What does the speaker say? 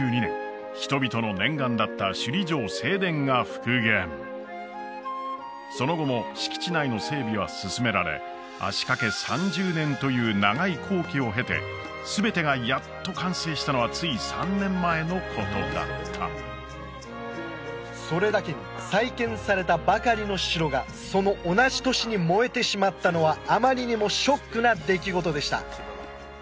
人々の念願だった首里城正殿が復元その後も敷地内の整備は進められ足かけ３０年という長い工期を経て全てがやっと完成したのはつい３年前のことだったそれだけに再建されたばかりの城がその同じ年に燃えてしまったのはあまりにもショックな出来事でした